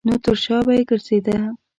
نو تر شا به یې ګرځېده.